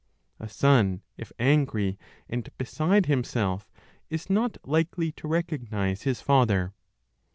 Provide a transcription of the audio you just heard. A son, if angry, and beside himself, is not likely to recognize his father.